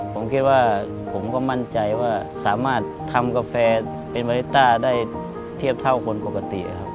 ผมคิดว่าผมก็มั่นใจว่าสามารถทำกาแฟเป็นวาริต้าได้เทียบเท่าคนปกติครับ